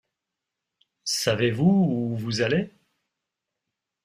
Savez-vous où vous allez?